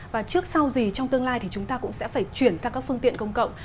và trước sau gì trong tương lai thì chúng ta cũng sẽ phải chuyển sang các phương tiện công cộng